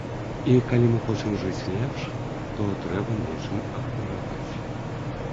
І калі мы хочам жыць лепш, то трэба нечым ахвяраваць.